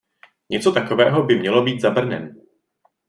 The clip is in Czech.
Něco takového by mělo být za Brnem.